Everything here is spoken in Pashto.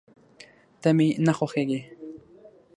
ته مي نه خوښېږې !